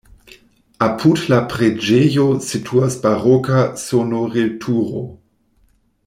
Apud la preĝejo situas baroka sonorilturo.